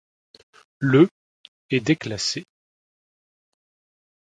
Le est déclassé.